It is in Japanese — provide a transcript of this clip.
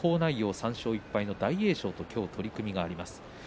３勝１敗の大栄翔との取組があります。